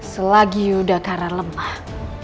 selagi yudhakara lemah